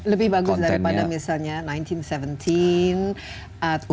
lebih bagus daripada misalnya seribu sembilan ratus tujuh belas atau